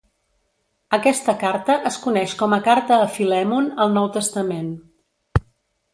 Aquesta carta es coneix com a Carta a Filèmon al Nou Testament.